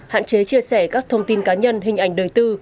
hạn chế chia sẻ các thông tin cá nhân hình ảnh đời tư